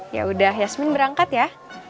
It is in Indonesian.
ya udah yasmin berangkat ya